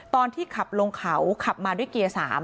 ตอนที่ขับลงเขาขับมาด้วยเกียร์๓